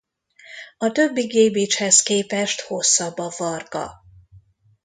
A többi gébicshez képest hosszabb a farka.